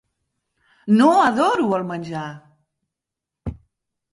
No adoro el menjar!